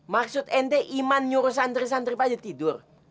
maksud ente iman nyuruh santri santri pada tidur